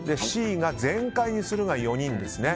Ｃの全開にするが４人ですね。